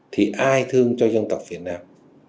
thì ai thương cho dân tộc việt nam